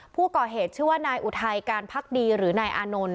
ผู้ก่อเหตุชื่อว่านายอุทัยการพักดีหรือนายอานนท์